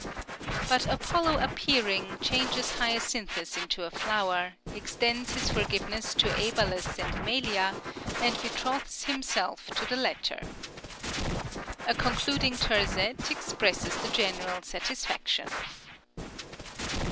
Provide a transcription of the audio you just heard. But Apollo appearing, changes Hyacinthus into a flower, extends his forgiveness to Æbalus and Melia, and betrothes himself to the latter. A concluding terzet expresses the general satisfaction.